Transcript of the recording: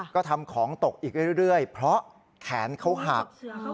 ก็ทำของตกอีกเรื่อยเพราะแขนเขาหัก